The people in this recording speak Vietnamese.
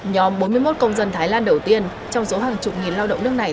nhóm bốn mươi một công dân thái lan đầu tiên trong số hàng chục nghìn lao động nước này